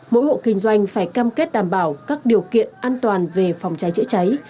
mỗi hộ kinh doanh phải cam kết đảm bảo các điều kiện an toàn về phòng cháy chữa cháy